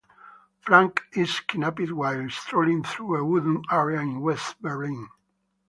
Frank is kidnapped while strolling through a wooded area in West Berlin.